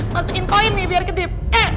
masukin koin nih biar gedip